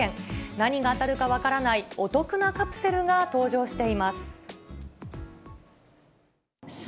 何が当たるか分からないお得なカプセルが登場しています。